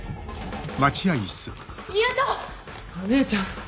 お姉ちゃん！